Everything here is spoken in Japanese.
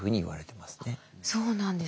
そうなんですね。